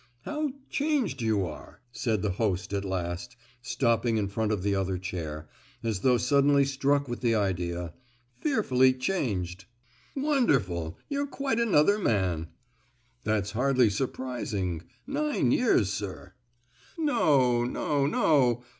"How changed you are!" said the host at last, stopping in front of the other chair, as though suddenly struck with the idea; "fearfully changed!" "Wonderful! you're quite another man!" "That's hardly surprising! nine years, sir!" "No, no, no!